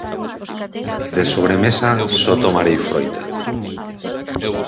De sobremesa só tomarei froita